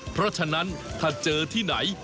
เพราะฉะนั้นถ้าเจอที่ไหน